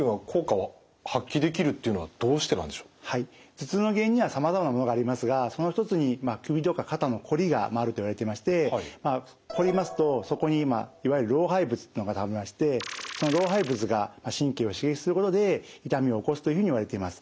頭痛の原因にはさまざまなものがありますがその一つに首とか肩のこりがあるといわれていましてこりますとそこにいわゆる老廃物っていうのがたまりましてその老廃物が神経を刺激することで痛みを起こすというふうにいわれています。